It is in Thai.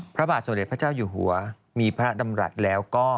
พระบาทสมเด็จพระเจ้าอยู่หัวมีพระดำรัฐแล้วก็